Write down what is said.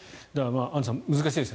アンジュさん難しいですね。